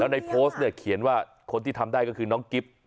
ในโพสต์เนี่ยเขียนว่าคนที่ทำได้ก็คือน้องกิฟต์